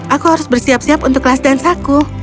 aku harus bersiap siap untuk kelas dansaku